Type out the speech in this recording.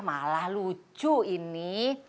malah lucu ini